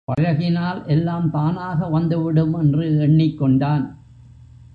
பழகினால் எல்லாம் தானாக வந்துவிடும் என்று எண்ணிக் கொண்டான்.